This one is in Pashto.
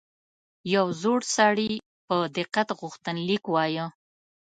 یو زوړ سړي په دقت غوښتنلیک وایه.